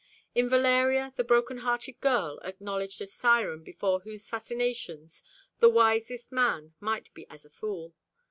In Valeria the broken hearted girl acknowledged a siren before whose fascinations the wisest man might be as a fool.